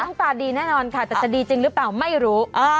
ตาดีแน่นอนค่ะแต่จะดีจริงหรือเปล่าไม่รู้